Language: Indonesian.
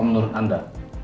apa menurut anda